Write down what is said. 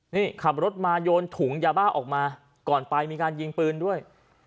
นี่ขับรถมาโยนถุงยาบ้าออกมาก่อนไปมีการยิงปืนด้วย